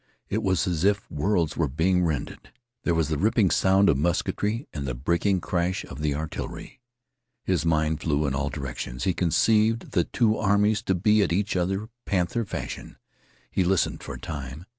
It was as if worlds were being rended. There was the ripping sound of musketry and the breaking crash of the artillery. His mind flew in all directions. He conceived the two armies to be at each other panther fashion. He listened for a time.